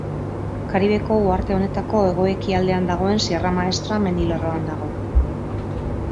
Karibeko uharte honetako hego-ekialdean dagoen Sierra Maestra mendilerroan dago.